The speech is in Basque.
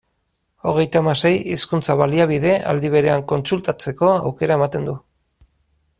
Hogeita hamasei hizkuntza-baliabide aldi berean kontsultatzeko aukera ematen du.